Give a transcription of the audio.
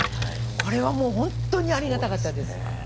これはもう本当にありがたかったです。